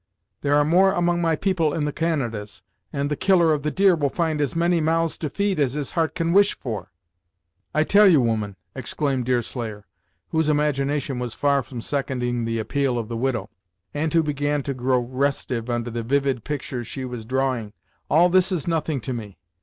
There are more among my people in the Canadas, and the Killer of Deer will find as many mouths to feed as his heart can wish for." "I tell you, woman," exclaimed Deerslayer, whose imagination was far from seconding the appeal of the widow, and who began to grow restive under the vivid pictures she was drawing, "all this is nothing to me.